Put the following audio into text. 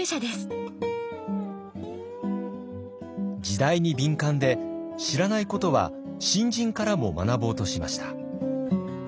時代に敏感で知らないことは新人からも学ぼうとしました。